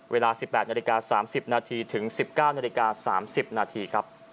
เวลา๑๘นาฬิกา๓๐นาทีถึง๑๙นาฬิกา๓๐นาทีครับ